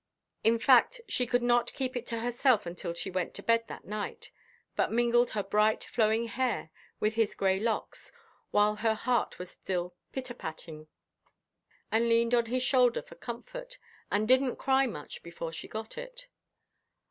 In fact, she could not keep it to herself until she went to bed that night; but mingled her bright, flowing hair with his grey locks, while her heart was still pit–a–patting, and leaned on his shoulder for comfort, and didnʼt cry much before she got it.